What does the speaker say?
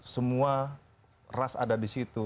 semua ras ada di situ